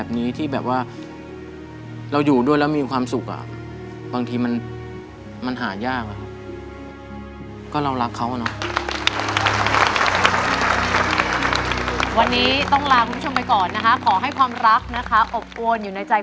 บรีซคุณบรีซคุณบรีซคุณบรีซคุณบรีซคุณบรีซคุณบรีซ